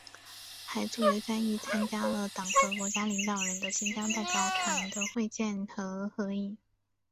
还作为翻译参加了党和国家领导人与新疆代表团的会见和合影。